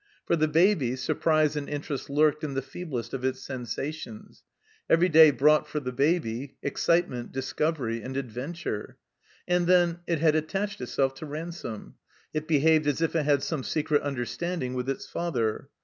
For the Baby surprise and interest lurked in the feeblest of its sensations ; every day brought, for the Baby, excitement, discovery, and adventure. And then, it had attached itself to Ransome. It behaved as if it had some secret understanding with its father.